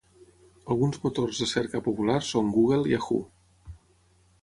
Alguns motors de cerca populars són Google, Yahoo!